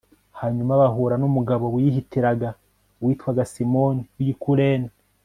hanyuma bahura n'umugabo wihitiraga witwaga simoni w'i kurene